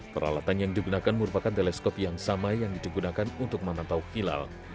peralatan yang digunakan merupakan teleskop yang sama yang digunakan untuk memantau hilal